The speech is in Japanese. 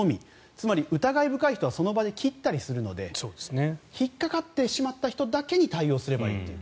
つまり疑い深い人はその場で切ったりするので引っかかってしまった人だけに対応すればいいという。